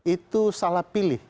itu salah pilih